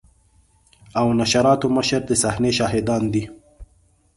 او نشراتو مشر د صحنې شاهدان دي.